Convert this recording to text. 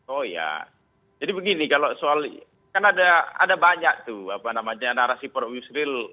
oh ya jadi begini kalau soal kan ada banyak tuh apa namanya narasi prof yusril